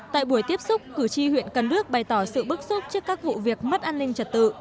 tại buổi tiếp xúc cử tri huyện cần đước bày tỏ sự bức xúc trước các vụ việc mất an ninh trật tự